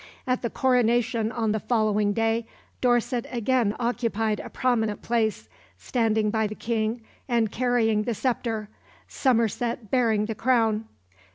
At the coronation on the following day Dorset again occupied a prominent place, standing by the King and carrying the sceptre, Somerset bearing the crown.